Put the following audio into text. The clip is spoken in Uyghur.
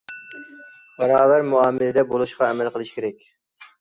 باراۋەر مۇئامىلىدە بولۇشقا ئەمەل قىلىش كېرەك.